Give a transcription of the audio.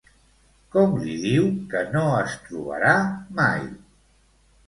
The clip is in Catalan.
Com li diu que no es trobarà mai?